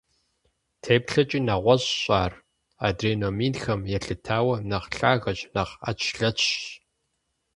ТеплъэкӀи нэгъуэщӀщ ар, адрей номинхэм елъытауэ, нэхъ лъагэщ, нэхъ Ӏэчлъэчщ.